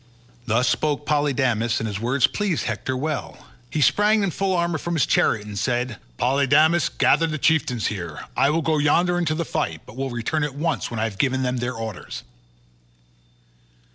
Thus spoke Polydamas, and his words pleased Hector well. He sprang in full armour from his chariot and said, "Polydamas, gather the chieftains here; I will go yonder into the fight, but will return at once when I have given them their orders."